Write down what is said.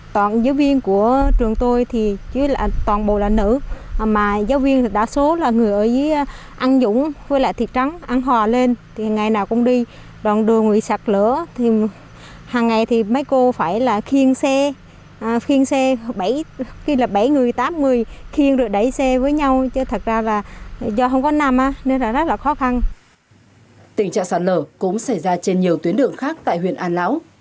tình trạng sạt lở cũng xảy ra trên nhiều tuyến đường khác tại huyện an lão